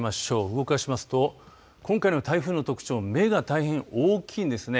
動かしますと今回の台風の特徴目が大変大きいんですね。